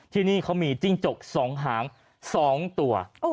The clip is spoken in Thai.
ที่นี่เขามีจิ้งจก๒หาง๒ตัว